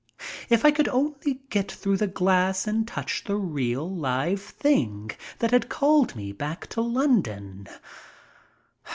If I could only get through the glass and touch the real live thing that had called me back to London.